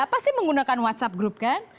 pasti menggunakan whatsapp group kan